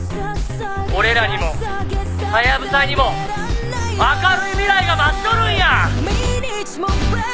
「俺らにもハヤブサにも明るい未来が待っとるんや！」